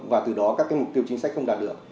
và từ đó các mục tiêu chính sách không đạt được